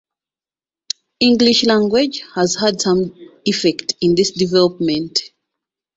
English language has had some effect in this development.